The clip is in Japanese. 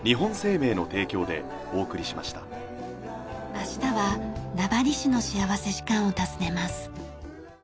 明日は名張市の幸福時間を訪ねます。